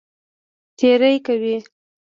تېری کوي.